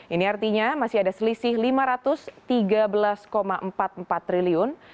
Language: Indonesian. ini artinya masih ada selisih rp lima ratus tiga belas empat puluh empat triliun